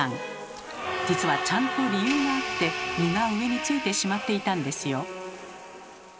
実はちゃんと理由があって身が上についてしまっていたんですよ。